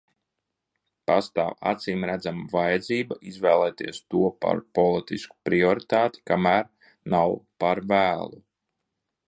Pastāv acīmredzama vajadzība izvēlēties to par politisku prioritāti, kamēr nav par vēlu.